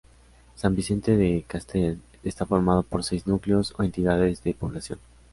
San Vicente de Castellet está formado por seis núcleos o entidades de población.